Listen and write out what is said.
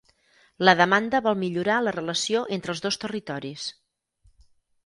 La demanda vol millorar la relació entre els dos territoris